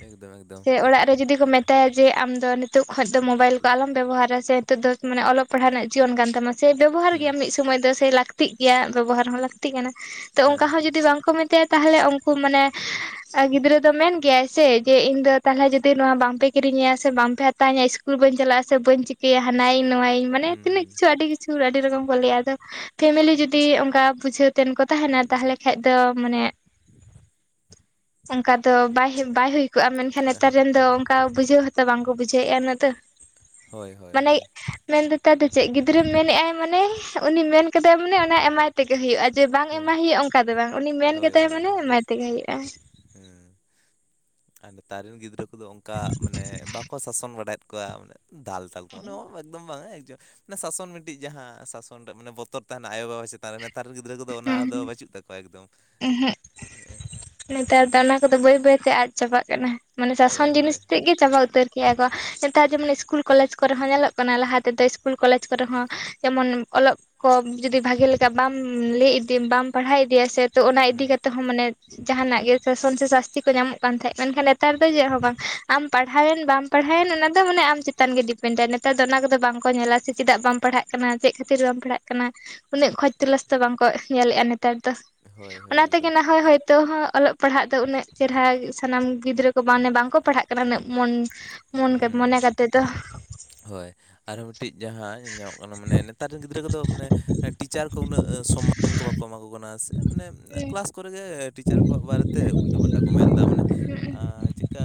ᱮᱠᱫᱚᱢ ᱮᱠᱫᱚᱢ ᱥᱮ ᱚᱲᱟᱜ ᱨᱮ ᱡᱩᱫᱤ ᱠᱚ ᱢᱮᱛ ᱢᱮᱛᱟᱭᱟ ᱡᱮ ᱟᱢᱫᱚ ᱱᱤᱛᱚᱜ ᱠᱷᱚᱡ ᱫᱚ ᱢᱳᱵᱟᱭᱤᱞ ᱠᱚ ᱟᱞᱚᱢ ᱵᱮᱵᱚᱦᱟᱨᱟ ᱥᱮ ᱱᱤᱛᱚᱜ ᱫᱚ ᱢᱟᱱᱮ ᱚᱞᱚᱜ ᱯᱟᱲᱦᱟᱜ ᱨᱮᱱᱟᱜ ᱡᱤᱭᱚᱱ ᱠᱟᱱ ᱛᱟᱢᱟ ᱥᱮ ᱵᱮᱵᱚ ᱜᱮᱭᱟ ᱦᱩᱸ ᱢᱤᱫ ᱥᱚᱢᱚᱭ ᱫᱚ ᱥᱮ ᱞᱟᱹᱠᱛᱤᱜ ᱜᱮᱭᱟ ᱵᱮᱵᱚᱦᱟᱨ ᱦᱚᱸ ᱞᱟᱹᱠᱛᱤ ᱠᱟᱱᱟ ᱛᱚ ᱚᱱᱠᱟ ᱦᱮᱸ ᱦᱚᱸ ᱡᱩᱫᱤ ᱵᱟᱝ ᱠᱚ ᱢᱮᱛ ᱭᱟ ᱛᱟᱦᱞᱮ ᱩᱱᱠᱩ ᱢᱟᱱᱮ ᱟᱨ ᱜᱤᱫᱽᱨᱟᱹ ᱫᱚ ᱢᱮᱱ ᱜᱮᱭᱟᱭ ᱥᱮ ᱡᱮ ᱤᱧ ᱫᱚ ᱛᱟᱦᱚᱞᱮ ᱡᱩᱫᱤ ᱱᱚᱣᱟ ᱵᱟᱝᱯᱮ ᱠᱤᱨᱤᱧᱟ ᱥᱮ ᱵᱟᱝᱯᱮ ᱦᱟᱛᱟᱣᱤᱧᱟᱹ ᱤᱥᱠ ᱠᱩᱞ ᱵᱟᱹᱧ ᱪᱟᱞᱟᱜᱼᱟ ᱥᱮ ᱵᱟᱧ ᱪᱤᱠᱟᱹᱭᱟ ᱦᱟᱱᱟᱭᱟᱧ ᱱᱚᱣᱟᱭᱟᱧ ᱢᱟᱱᱮ ᱦᱩᱸ ᱛᱤᱱᱟᱹᱜ ᱦᱩᱸ ᱠᱤᱪᱷᱩ ᱟᱹᱰᱤ ᱠᱤᱪᱷᱩ ᱟᱹᱰᱤ ᱨᱚᱠᱚᱢ ᱠᱚ ᱞᱟᱹᱭᱟ ᱟᱫᱚ ᱯᱷᱮᱢᱮᱞᱤ ᱡᱩᱫᱤ ᱚᱱᱠᱟ ᱵᱩᱡᱷᱟᱹ ᱛᱮᱱ ᱠᱚ ᱛᱟᱦᱮᱱᱟ ᱛᱟᱦᱞᱮ ᱠᱷᱟᱱ ᱫᱚ ᱢᱟᱱᱮ ᱚᱱᱠᱟ ᱫᱚ ᱵᱟᱭ ᱵᱟᱭ ᱦᱩᱭ ᱠᱚᱜᱼᱟ ᱢᱮᱱᱠᱷᱟᱱ ᱮᱦ, ᱱᱮᱛᱟᱨ ᱨᱮᱱ ᱫᱚ ᱚᱱᱠᱟ ᱵᱩᱡᱷᱟᱹᱣ ᱦᱚᱸᱛᱚ ᱵᱟᱝᱠᱚ ᱵᱩᱡᱷᱟᱹᱣᱮᱫᱼᱟ ᱩᱱᱟᱹᱜ ᱫᱚ ᱦᱳᱭ ᱦᱳᱭ ᱢᱟᱱᱮ ᱦᱳᱭ᱾ ᱢᱮᱱ ᱫᱟ ᱫᱚ ᱪᱮᱫ ᱜᱤᱫᱽᱨᱟᱹ ᱢᱮᱱᱫᱟᱭ ᱢᱟᱱᱮ ᱩᱱᱤ ᱢᱮᱱ ᱠᱟᱫᱟᱭ ᱢᱟᱱᱮ ᱚᱱᱟ ᱮᱢᱟᱭ ᱛᱮᱜᱮ ᱦᱩᱭᱩᱜᱼᱟ ᱡᱮ ᱵᱟᱝ ᱦᱳᱭ ᱮᱢᱟᱭ ᱦᱩᱭᱩᱜᱼᱟ ᱚᱱᱠᱟ ᱫᱚ ᱵᱟᱝ ᱩᱱᱤ ᱢᱮᱱ ᱠᱮᱫᱟᱭ ᱢᱟᱱᱮ ᱮᱢᱟᱭ ᱛᱮᱜᱮ ᱦᱩᱭᱩᱜᱼᱟ᱾ ᱦᱮᱸ ᱟᱫᱚ ᱛᱟᱨᱮᱱ ᱜᱤᱫᱽᱨᱟᱹ ᱠᱚᱫᱚ ᱚᱱᱠᱟ ᱢᱟᱱᱮ ᱵᱟᱠᱚ ᱥᱟᱥᱚᱱ ᱵᱟᱲᱟᱭᱮᱫ ᱠᱚᱣᱟ ᱢᱟᱱᱮ ᱫᱟᱞ ᱛᱟᱞ ᱠᱚ ᱢᱟᱱᱮ ᱮᱠᱫᱚᱢ ᱵᱟᱝᱟ ᱮᱠᱚᱢ ᱢᱮ ᱥᱟᱥᱚᱱ ᱢᱤᱫᱴᱤᱡ ᱡᱟᱦᱟᱸ ᱥᱟᱥᱚᱱ ᱨᱮ ᱢᱟᱱᱮ ᱵᱚᱛᱚᱨ ᱛᱟᱦᱮᱱᱟ ᱟᱭᱳᱼᱵᱟᱵᱟ ᱪᱮ ᱛᱟᱦᱞᱮ ᱱᱮᱛᱟᱨ ᱨᱮᱱ ᱜᱤᱫᱽᱨᱟᱹ ᱠᱚᱫᱚ ᱚᱱᱟ ᱫᱚ ᱵᱟᱹᱪᱩᱜ ᱛᱟᱠᱚᱣᱟ ᱮᱠᱫᱚᱢ ᱮᱸ ᱦᱮᱜ ᱦᱮᱸ᱾ ᱱᱮᱛᱟᱨ ᱫᱚ ᱚᱱᱟ ᱠᱚᱫᱚ ᱵᱟᱹᱭ ᱵᱟᱹᱭᱛᱮ ᱟᱫ ᱪᱟᱵᱟᱜ ᱠᱟᱱᱟ ᱢᱟᱱᱮ ᱦᱳᱭ ᱥᱟᱥᱚᱱ ᱡᱤᱱᱤᱥ ᱦᱳᱭ ᱛᱮᱫ ᱜᱮ ᱪᱟᱵᱟ ᱩᱛᱟᱹᱨ ᱠᱮᱜ-ᱟ ᱠᱚ, ᱱᱮᱛᱟᱨ ᱡᱮᱢᱚᱱ ᱤᱥᱠᱩᱞ ᱠᱚᱞᱮᱡᱽ ᱠᱚᱨᱮ ᱦᱚᱸ ᱧᱮᱞᱚᱜ ᱠᱟᱱᱟ ᱞᱟᱦᱟ ᱛᱮᱫᱚ ᱤᱥᱠᱩᱞ ᱠᱚᱞᱮᱡᱽ ᱠᱚᱨᱮ ᱦᱚᱸ ᱡᱮᱢᱚᱱ ᱚᱞᱚᱜ ᱠᱚ ᱡᱩᱫᱤ ᱵᱷᱟᱜᱤ ᱞᱮᱠᱟ ᱵᱟᱢ ᱞᱟᱹᱭ ᱤᱫᱤ ᱵᱟᱢ ᱯᱟᱲᱦᱟᱣ ᱤᱫᱤᱭᱟ ᱥᱮ ᱛᱚ ᱚᱱᱟ ᱦᱩᱸ ᱤᱫᱤ ᱠᱟᱛᱮ ᱢᱟᱱᱮ ᱡᱟᱦᱟᱱᱟᱜ ᱜᱮ ᱥᱟᱥᱚᱱ ᱥᱮ ᱥᱟᱥᱛᱤ ᱠᱚ ᱧᱟᱢᱚᱜ ᱠᱟᱱ ᱛᱟᱦᱮᱸᱫ ᱢᱮᱱᱠᱷᱟᱱ ᱱᱮᱛᱟᱨ ᱫᱚ ᱪᱮᱫ ᱦᱚᱸ ᱵᱟᱝ, ᱟᱢ ᱯᱟᱲᱦᱟᱣ ᱮᱱ ᱵᱟᱢ ᱯᱟᱲᱦᱟᱣᱮᱱ ᱚᱱᱟᱫᱚ ᱢᱟᱱᱮ ᱟᱢ ᱪᱮᱛᱟᱱ ᱜᱮ ᱰᱤᱯᱮᱱᱰ ᱟᱭ, ᱱᱮᱛᱟᱨ ᱫᱚ ᱚᱱᱟ ᱵᱟᱝᱠᱚ ᱧᱮᱞᱟ ᱥᱮ ᱪᱮᱫᱟᱜ ᱵᱟᱢ ᱯᱟᱲᱦᱟᱜ ᱠᱟᱱᱟ ᱪᱮᱫ ᱠᱷᱟᱹᱛᱤᱨ ᱵᱟᱢ ᱯᱟᱲᱦᱟᱜ ᱠᱟᱱᱟ, ᱩᱱᱟᱹᱜ ᱠᱷᱚᱡᱽ ᱛᱚᱞᱟᱥ ᱫᱚ ᱵᱟᱝᱠᱚ ᱧᱮᱞᱮᱫᱼᱟ ᱱᱮᱛᱟᱨ ᱫᱚ᱾ ᱦᱳᱭ ᱦᱳᱭ ᱚᱱᱟ ᱛᱮᱜᱮ ᱮᱠᱫᱚᱢ ᱱᱟᱦᱚᱭ ᱦᱳᱭᱛᱳ ᱦᱚᱸ ᱚᱞᱚᱜ ᱯᱟᱲᱦᱟᱜ ᱫᱚ ᱩᱱᱟᱹᱜ ᱪᱮᱦᱨᱟ ᱥᱟᱱᱟᱢ ᱜᱤᱫᱽᱨᱟᱹ ᱠᱚ ᱢᱟᱱᱮ ᱵᱟᱝᱠᱚ ᱯᱟᱲᱦᱟᱜ ᱠᱟᱱᱟ ᱩᱱᱟᱹᱜ ᱢᱚ ᱢᱚᱱ ᱦᱩᱸ ᱢᱚᱱᱮ ᱠᱟᱛᱮ ᱫᱚ᱾ ᱦᱳᱭ᱾ ᱟᱨᱦᱚᱸ ᱢᱤᱫᱴᱤᱡ ᱡᱟᱦᱟᱸ ᱧᱮᱞ ᱧᱟᱢᱚᱜ ᱠᱟᱱᱟ ᱢᱟᱱᱮ ᱱᱮᱛᱟᱨ ᱨᱮᱱ ᱜᱤᱫᱽᱨᱟᱹ ᱠᱚᱫᱚ ᱢᱟᱱᱮ ᱮᱸ ᱴᱤᱪᱟᱨ ᱠᱚ ᱩᱱᱟᱹᱜ ᱥᱚᱱᱢᱟᱱ ᱠᱚ ᱵᱟᱠᱚ ᱮᱢᱟ ᱠᱚ ᱠᱟᱱᱟ, ᱥᱮ ᱢᱟᱱᱮ ᱠᱮᱞᱟᱥ ᱠᱚᱨᱮ ᱜᱮ ᱴᱤᱪᱟᱨ ᱠᱚᱣᱟᱜ ᱵᱟᱨᱮᱛᱮ ᱩᱞᱴᱟᱹ ᱯᱟᱞᱴᱟ ᱠᱚ ᱢᱮᱱᱫᱟ ᱢᱟᱱᱮ ᱟᱸ ᱪᱮᱫᱠᱟᱼᱼ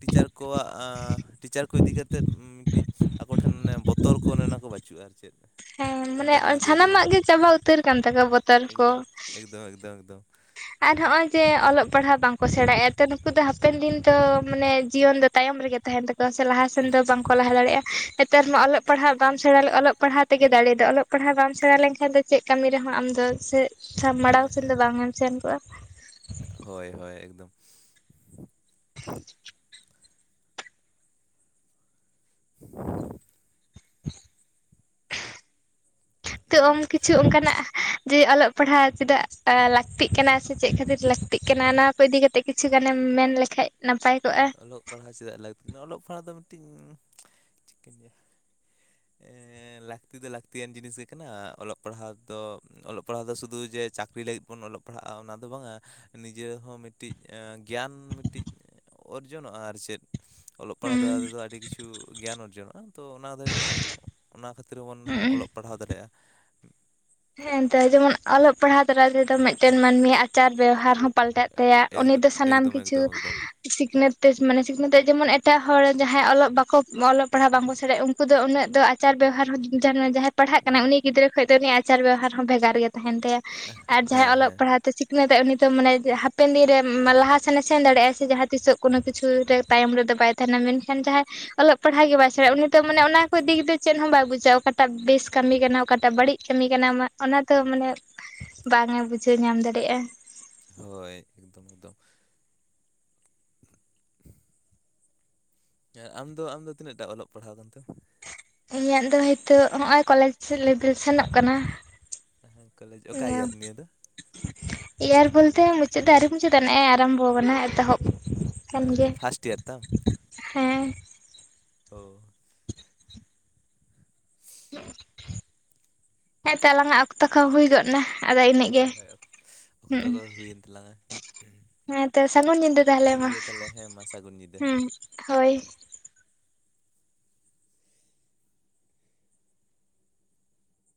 ᱴᱤᱪᱟᱨ ᱠᱚᱣᱟᱜ ᱟᱸᱻ ᱴᱤᱪᱟᱨ ᱠᱚ ᱤᱫᱤ ᱠᱟᱛᱮᱫ ᱢᱤᱫᱴᱤᱡ ᱟᱠᱚᱴᱷᱮᱱ ᱚᱱᱮ ᱵᱚᱛᱚᱨ ᱠᱚ ᱚᱱᱮ ᱚᱱᱟ ᱠᱚ ᱵᱟᱪ ᱪᱩᱜᱼᱟ ᱟᱨ ᱪᱮᱫ᱾ ᱦᱮᱸ ᱢᱟᱱᱮ ᱱᱮᱛᱟᱨ ᱨᱮᱱ ᱜᱤᱫᱽᱨᱟᱹ ᱠᱚᱫᱚ ᱥᱟᱱᱟᱢᱟᱜ ᱜᱮ ᱪᱟᱵᱟ ᱩᱛᱟᱹᱨ ᱠᱟᱱ ᱛᱟᱠᱚᱣᱟ ᱵᱚᱛᱚᱨ ᱠᱚ᱾ ᱫᱚᱢ ᱮᱠᱫᱚᱢ ᱮᱠᱫᱚᱢ᱾ ᱟᱨ ᱦᱚᱸᱜ-ᱚᱭ ᱡᱮ ᱚᱞᱚᱜ ᱯᱟᱲᱦᱟᱜ ᱵᱟᱝᱠᱚ ᱥᱮᱬᱟᱭᱮᱫᱼᱟ ᱛᱚ ᱱᱩᱠᱩ ᱫᱚ ᱦᱟᱼᱼ ᱯᱮᱱ ᱫᱤᱱ ᱫᱚ ᱢᱟᱱᱮ ᱡᱤᱭᱚᱱ ᱫᱚ ᱛᱟᱭᱚᱢ ᱨᱮᱜᱮ ᱛᱟᱦᱮᱱ ᱛᱟᱠᱚᱣᱟ ᱥᱮ ᱞᱟᱦᱟ ᱥᱮᱱ ᱫᱚ ᱵᱟᱝᱠᱚ ᱞᱟᱦᱟ ᱫᱟᱲᱮᱭᱟᱜᱼᱟ᱾ ᱱᱮᱛᱟᱨ ᱢᱟ ᱚᱞᱚᱜ ᱯᱟᱲᱦᱟᱜ ᱵᱟᱢ ᱥᱮᱬᱟ ᱚᱞᱚᱜ ᱯᱟᱲᱦᱟᱣ ᱛᱮᱜᱮ ᱫᱟᱲᱮ ᱫᱚ, ᱚᱞᱚᱜ ᱯᱟᱲᱦᱟᱜ ᱵᱟᱢ ᱥᱮᱬᱟ ᱞᱮᱱᱠᱷᱟᱱ ᱫᱚ ᱪᱮᱫ ᱠᱟᱹᱢᱤ ᱨᱮᱦᱚᱸ ᱟᱢ ᱫᱚ ᱥᱮ ᱥᱟ ᱦᱮᱸ ᱢᱲᱟᱝ ᱥᱮᱱ ᱫᱚ ᱦᱮᱸ ᱵᱟᱝ ᱮᱢ ᱥᱮᱱ ᱠᱚᱜᱼᱟ ᱦᱳᱭ ᱦᱳᱭ ᱮᱠᱫᱚᱢ᱾ <inaudible> ᱛᱚ ᱚᱢ ᱠᱤᱪᱷᱩ ᱚᱱᱠᱟᱱᱟᱜᱼᱼ ᱡᱮ ᱚᱞᱚᱜ ᱯᱟᱲᱦᱟᱣ ᱪᱮᱫᱟᱜ ᱞᱟᱹᱠᱛᱤᱜ ᱠᱟᱱᱟ ᱥᱮ ᱪᱮᱫ ᱠᱷᱟᱹᱛᱤᱨ ᱞᱟᱹᱠᱛᱤᱜ ᱠᱟᱱᱟ ᱦᱮᱸ ᱚᱱᱟ ᱠᱚ ᱤᱫᱤ ᱠᱟᱛᱮ ᱠᱤᱪᱷᱩ ᱜᱟᱱᱮᱢ ᱢᱮᱱ ᱞᱮᱠᱷᱟᱡ ᱱᱟᱯᱟᱭ ᱠᱚᱜᱼᱟ ᱚᱞᱚᱜ ᱯᱟᱲᱦᱟᱣ ᱪᱮᱫᱟᱜ ᱞᱟᱹᱠᱛᱤ ᱚᱞᱚᱜ ᱯᱟᱲᱦᱟᱜ ᱫᱚ ᱢᱤᱫᱴᱤᱱ ᱪᱤᱠᱟᱹᱧ ᱞᱟᱭᱟᱹ ᱮᱸᱻᱞᱟᱹᱠᱛᱤ ᱫᱚ ᱞᱟᱹᱠᱛᱤᱭᱟᱱ ᱡᱤᱱᱤᱥ ᱜᱮ ᱮ ᱠᱟᱱᱟ ᱚᱞᱚᱜ ᱯᱟᱲᱦᱟᱜ ᱫᱚ ᱚᱞᱚᱜ ᱯᱟᱲᱦᱟᱜ ᱫᱚ ᱥᱩᱫᱩ ᱡᱮ ᱪᱟᱹᱠᱨᱤ ᱞᱟᱜᱤᱫ ᱵᱚᱱ ᱚᱞᱚᱜ ᱯᱟᱲᱦᱟᱜᱼᱟ ᱚᱱᱟ ᱫᱚ ᱵᱟᱝᱟ, ᱱᱤᱡᱮ ᱦᱚᱸ ᱢᱤᱫᱴᱤᱡ ᱜᱮᱭᱟᱱ ᱢᱤᱫᱴᱤᱡ ᱚᱨᱡᱚᱱᱚᱜᱼᱟ ᱟᱨ ᱪᱮᱫ᱾ ᱚᱞᱚᱜ ᱯᱟᱲᱦᱟᱜ ᱫᱟᱨᱟᱭ ᱛᱮᱫᱚ ᱟᱹᱰᱤ ᱠᱤᱪᱷᱩ ᱜᱮᱭᱟᱱ ᱚᱨᱡᱚᱱᱚᱜᱼᱟ ᱛᱚ ᱚᱱᱟ ᱫᱚ ᱡᱮᱢᱚᱱ ᱚᱱᱟ ᱠᱷᱟᱹᱛᱤᱨ ᱵᱚᱱ ᱚᱞᱚᱜ ᱯᱟᱲᱦᱟᱣ ᱫᱟᱲᱮᱭᱟᱜᱼᱟ᱾ ᱦᱮᱸ ᱫᱚ ᱡᱮᱢᱚᱱ ᱚᱞᱚᱜ ᱯᱟᱲᱦᱟᱣ ᱫᱟᱨᱟᱭ ᱛᱮᱫᱚ ᱢᱤᱫᱴᱮᱱ ᱢᱟᱹᱱᱢᱤᱭᱟᱜ ᱟᱪᱟᱨ ᱵᱮᱣᱦᱟᱨ ᱦᱚᱸ ᱯᱟᱞᱴᱟᱜ ᱛᱟᱭᱟ, ᱩᱱᱤ ᱮᱠᱫᱚᱢ ᱫᱚ ᱥᱟᱱᱟᱢ ᱮᱠᱫᱚᱢ ᱠᱤᱪᱷᱩ ᱮᱠᱫᱚᱢ ᱮᱠᱫᱚᱢ ᱥᱤᱠᱷᱱᱟᱹᱛ ᱢᱟᱱᱮ ᱥᱤᱠᱷᱱᱟᱹᱛ ᱡᱮᱢᱚᱱ ᱮᱴᱟᱜ ᱦᱚᱲ ᱡᱟᱦᱟᱸᱭ ᱚᱞᱚᱜ ᱵᱟᱠᱚ ᱚᱞᱚᱜ ᱯᱟᱲᱦᱟᱜ ᱵᱟᱝᱠᱚ ᱥᱮᱬᱟᱭᱼᱟ, ᱩᱱᱠᱩ ᱫᱚ ᱩᱱᱟᱹᱜ ᱫᱚ ᱟᱪᱟᱨ ᱵᱮᱵᱦᱟᱨ ᱡᱟᱦᱟᱸᱭ ᱯᱟᱲᱦᱟᱜ ᱠᱟᱱᱟᱭ ᱩᱱᱤ ᱜᱤᱫᱽᱨᱟᱹ ᱠᱷᱚᱱ ᱫᱚ ᱟᱪᱟᱨ ᱵᱮᱵᱦᱟᱨ ᱦᱚᱸ ᱵᱷᱮᱜᱟᱨ ᱜᱮ ᱛᱟᱦᱮᱱ ᱛᱟᱭᱟ, ᱟᱨ ᱦᱮᱸ ᱡᱟᱦᱟᱸᱭ ᱚᱞᱚᱜ ᱦᱮᱸ ᱯᱟᱲᱦᱟᱜ ᱛᱚ ᱥᱤᱠᱷᱱᱟᱹᱛ ᱩᱱᱤ ᱛᱚ ᱢᱟᱱᱮ ᱦᱟᱯᱮᱱ ᱫᱤᱱ ᱨᱮ ᱞᱟᱦᱟᱥᱮᱱᱮ ᱥᱮᱱ ᱫᱟᱲᱮᱭᱟᱜᱟᱭ ᱥᱮ ᱡᱟᱦᱟᱸ ᱛᱤᱥ ᱠᱳᱱᱳ ᱠᱤᱪᱷᱩ ᱨᱮ ᱛᱟᱭᱚᱢ ᱨᱮᱫᱚ ᱵᱟᱭ ᱛᱟᱦᱮᱱᱟ, ᱢᱮᱱᱠᱷᱟᱱ ᱡᱟᱦᱟᱸᱭ ᱚᱞᱚᱜ ᱯᱟᱲᱦᱟᱜ ᱜᱮ ᱵᱟᱭ ᱛᱚ ᱩᱱᱤ ᱫᱚᱚᱴ ᱢᱟᱱᱮ ᱚᱱᱟ ᱠᱚ ᱫᱤᱠ ᱫᱚ ᱪᱮᱫ ᱦᱚᱸ ᱵᱟᱭ ᱵᱩᱡᱟ ᱚᱠᱟᱴᱟᱜ ᱵᱮᱥ ᱠᱟᱹᱢᱤ ᱠᱟᱱᱟ ᱚᱠᱟᱴᱟᱜ ᱵᱟᱹᱲᱤᱡ ᱠᱟᱹᱢᱤ ᱠᱟᱱᱟᱢᱟ ᱚᱱᱟ ᱫᱚ ᱢᱟᱱᱮ ᱵᱟᱝ ᱮ ᱵᱩᱡᱷᱟᱹᱣ ᱧᱟᱢ ᱫᱟᱲᱮᱭᱟᱜᱼᱟ᱾ ᱦᱳᱭ ᱮᱠᱫᱚᱢ ᱮᱠᱫᱚᱢ᱾ <inaudible> ᱟᱨ ᱟᱢᱫᱚ ᱟᱢᱫᱚ ᱛᱤᱱᱟᱹᱜᱴᱟ ᱚᱞᱚᱜ ᱯᱟᱲᱦᱟᱣ ᱠᱟᱱ ᱛᱮᱢ? ᱤᱧᱟᱹᱜ ᱫᱚ ᱱᱤᱛᱚᱜ ᱱᱚᱜᱼᱚᱭ ᱠᱚᱞᱮᱡᱽ ᱞᱮᱵᱮᱞ ᱥᱮᱱᱚᱜ ᱠᱟᱱᱟ᱾ ᱦᱮ ᱠᱚᱞᱮᱡᱽ ᱚᱠᱟ ᱭᱟ ᱱᱤᱭᱟᱹ ᱫᱚ? ᱮᱭᱟᱨ ᱵᱚᱞᱛᱮ ᱢᱩᱪᱟᱹᱫ ᱫᱚ ᱟᱹᱣᱨᱤ ᱢᱩᱪᱟᱹᱫᱱᱟᱜᱼ ᱮ ᱟᱨᱟᱢᱵᱚ ᱟᱠᱟᱱᱟ ᱮᱛᱚᱦᱚᱵ᱾ ᱟᱠᱟᱱ ᱮᱸ ᱜᱮᱭᱟ ᱱᱤᱭᱟᱹ ᱯᱷᱟᱥᱴ ᱤᱭᱟᱨ ᱛᱟᱢ? ᱦᱮᱸ ᱚᱸ ᱦᱮᱸᱛᱚ ᱟᱞᱟᱝᱼᱟᱜ ᱚᱠᱛᱚ ᱠᱚᱸ ᱦᱩᱭ ᱜᱚᱫ ᱮᱱᱟ ᱟᱫᱚ ᱤᱱᱟᱹᱜ ᱜᱮ ᱦᱳᱭ ᱦᱳᱭ ᱦᱩᱸ ᱚᱠᱛᱚ ᱫᱚ ᱦᱩᱭᱮᱱ ᱛᱟᱞᱟᱝ-ᱟ ᱦᱮᱸ ᱛᱚ ᱥᱟᱹᱜᱩᱱ ᱧᱤᱫᱟᱹ ᱾ ᱛᱟᱦᱚᱞᱮ ᱴᱷᱤᱠ ᱢᱟ ᱜᱮᱭᱟ ᱛᱟᱦᱞᱮ ᱦᱮᱸ ᱢᱟ ᱥᱟᱹᱜᱩᱱ ᱧᱤᱫᱟᱹ ᱦᱮᱸ ᱦᱳᱭ